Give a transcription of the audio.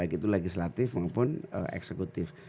baik itu legislatif maupun eksekutif